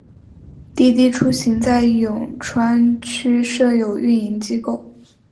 滴滴出行在永川区设有运营机构。